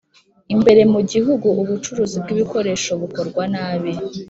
imbere mu gihugu ubucuruzi bw ibikoresho bukorwa nabi.